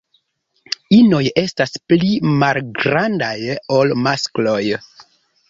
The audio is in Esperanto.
Inoj estas pli malgrandaj ol maskloj.